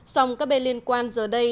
sòng các bề liên quan giờ đây